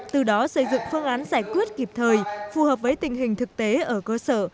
từ đó xây dựng phương án giải quyết kịp thời phù hợp với tình hình thực tế ở cơ sở